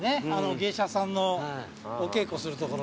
芸者さんのお稽古するところ。